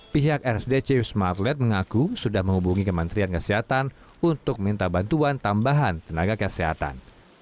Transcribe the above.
pihak rsdc wisma atlet mengaku sudah menghubungi kementerian kesehatan untuk minta bantuan tambahan tenaga kesehatan